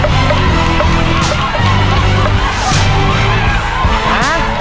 เพราะตอนนี้นะฮะ